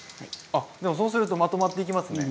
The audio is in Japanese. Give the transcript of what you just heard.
あでもそうするとまとまっていきますね。